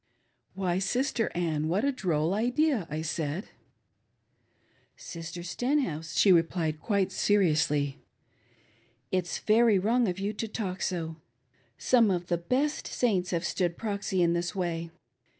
"Why, Sister Ann, what a droll idea," I said. "Sister Stenhouse," she replied, quite seriously, "It's very wrong of you to talk so. Some of the best Saints have stood proxy in this way.